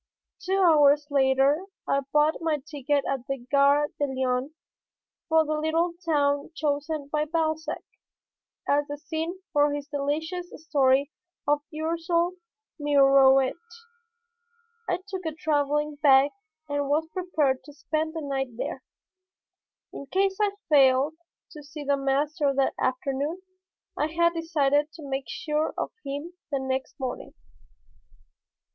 Two hours later I bought my ticket at the Gare de Lyon for the little town chosen by Balzac as the scene for his delicious story of Ursule Mirouet. I took a traveling bag and was prepared to spend the night there. In case I failed to see the master that afternoon I had decided to make sure of him the next morning.